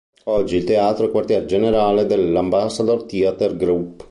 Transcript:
Oggi, il teatro è il quartier generale dell'Ambassador Theatre Group.